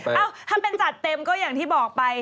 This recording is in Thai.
เอ้าถ้าเป็นจัดเต็มก็อย่างที่บอกไป